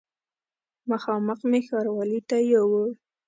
مخامخ مې ښاروالي ته یووړ.